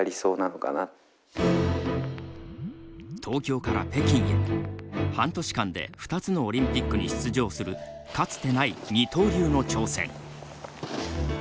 東京から北京へ半年間で２つのオリンピックに出場するかつてない二刀流の挑戦。